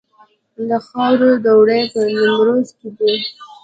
د خاورو دوړې په نیمروز کې دي